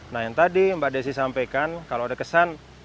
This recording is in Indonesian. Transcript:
nah yang tadi mbak desi sampaikan kalau ada kesan